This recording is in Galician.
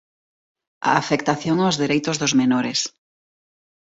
A afectación aos dereitos dos menores.